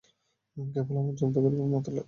কেবল আমাকে জব্দ করিবার মতলবে।